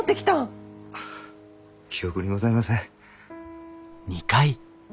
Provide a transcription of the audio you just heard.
記憶にございません。